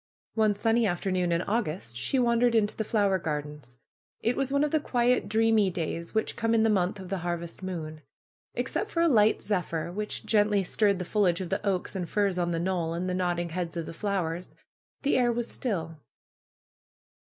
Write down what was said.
One sunny afternoon in August she wandered into the fiower gardens. It was one of the quiet, dreamy days which come in the month of the harvest moon. Except for a light zephyr, which gently stirred the fo liage of the oaks and firs on the knoll, and the nodding heads of the fiowers, the air was still.